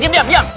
diam diam diam